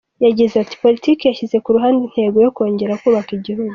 Yagize ati "Politiki yashyize ku ruhande intego yo kongera kubaka igihugu.